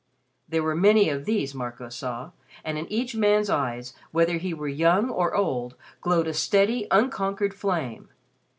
There were many of these, Marco saw, and in each man's eyes, whether he were young or old, glowed a steady unconquered flame.